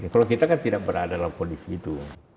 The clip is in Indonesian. kalau kita kan tidak berada dalam kondisi itu